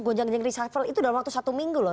gonjang gonjang reshuffle itu dalam waktu satu minggu loh